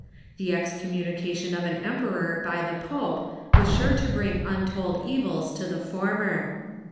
The excommunication of an emperor by the pope was sure to bring untold evils to the former.